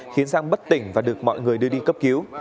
khiến giang bất tỉnh và được mọi người đưa đi cấp cứu